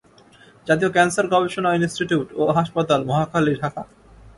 জাতীয় ক্যানসার গবেষণা ইনস্টিটিউট ও হাসপাতাল, মহাখালী, ঢাকা।